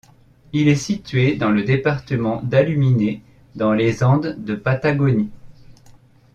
Il est situé dans le département d'Aluminé, dans les Andes de Patagonie.